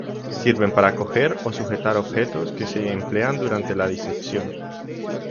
Sirven para coger o sujetar objetos que se emplean durante la disección.